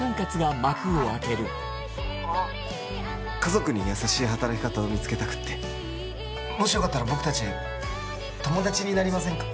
ああっあっ家族に優しい働き方を見つけたくってもしよかったら僕達友達になりませんか？